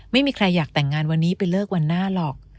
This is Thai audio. ไม่มีใครอยากแต่งงานวันนี้ไปเลิกวันหน้าหรอก